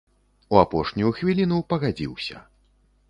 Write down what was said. У апошнюю хвіліну пагадзіўся.